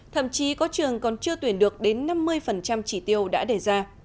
thậm chí có trường còn chưa tuyển được đến năm mươi chỉ tiêu đã đề ra